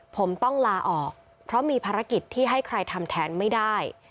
ผมต้องลาออกเพราะมีภารกิจที่ให้ใครทำแทนไม่ได้